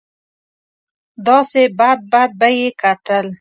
داسې بد بد به یې کتل.